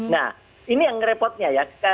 nah ini yang repotnya ya